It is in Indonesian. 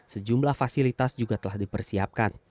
sejumlah fasilitas juga telah dipersiapkan